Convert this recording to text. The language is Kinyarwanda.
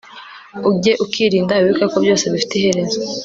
ujye ukirinda, wibuke ko byose bifite iherezo